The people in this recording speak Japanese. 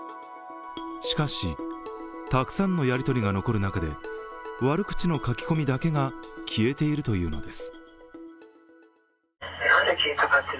しかし、たくさんのやりとりが残る中で、悪口の書き込みだけが消えているというのです。